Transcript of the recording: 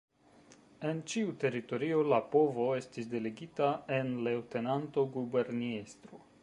En ĉiu teritorio la povo estis delegita en Leŭtenanto-Guberniestro.